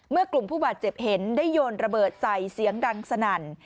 กลุ่มผู้บาดเจ็บเห็นได้โยนระเบิดใส่เสียงดังสนั่น